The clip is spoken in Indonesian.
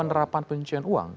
penerapan penyusunan uang